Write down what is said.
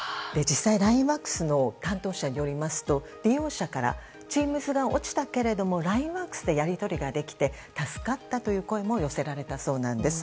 実際、ＬＩＮＥＷＯＲＫＳの担当者によりますと利用者からＴｅａｍｓが落ちたけれどもＬＩＮＥＷＯＲＫＳでやり取りができて助かったという声も寄せられたそうなんです。